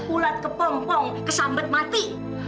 ulat kepong pong kesambet mati